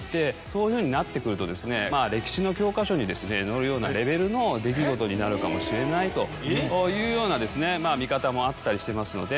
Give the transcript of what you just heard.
そういうふうになってくると歴史の教科書に載るようなレベルの出来事になるかもしれないというような見方もあったりしてますので。